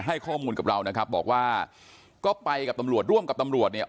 ให้ข้อมูลกับเรานะครับบอกว่าก็ไปกับตำรวจร่วมกับตำรวจเนี่ย